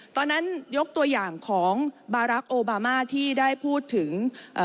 ตอนนั้นยกตัวอย่างของบารักษ์โอบามาที่ได้พูดถึง